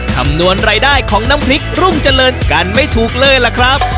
คำนวณรายได้ของน้ำพริกรุ่งเจริญกันไม่ถูกเลยล่ะครับ